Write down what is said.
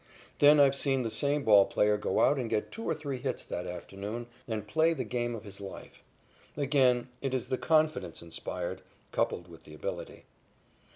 Then I've seen the same ball player go out and get two or three hits that afternoon and play the game of his life. Again, it is the confidence inspired, coupled with the ability.